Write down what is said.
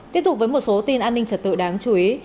tiếp tục với một số tin an ninh trật tự đáng chú ý